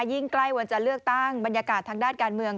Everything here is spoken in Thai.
ใกล้วันจะเลือกตั้งบรรยากาศทางด้านการเมือง